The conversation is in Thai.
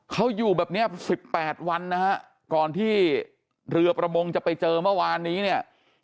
เขาอยู่แบบเนี้ยสิบแปดวันนะฮะก่อนที่เรือประมงจะไปเจอเมื่อวานนี้เนี่ย